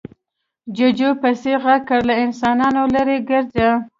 جوجو پسې غږ کړ، له انسانانو ليرې ګرځه.